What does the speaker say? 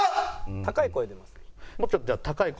「高い声出ますか？」。